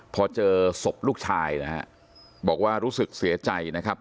พอเจอศพลูกชายนะฮะบอกว่ารู้สึกเสียใจนะครับ